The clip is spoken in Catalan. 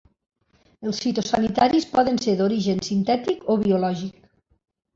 Els fitosanitaris poden ser d'origen sintètic o biològic.